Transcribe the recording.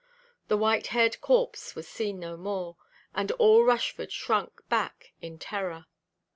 The white–haired corpse was seen no more; and all Rushford shrunk back in terror.